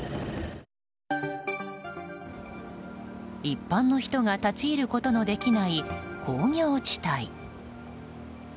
一般の人が立ち入ることのできない工業地帯。